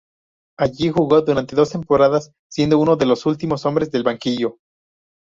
Allí jugó durante dos temporadas, siendo uno de los últimos hombres del banquillo.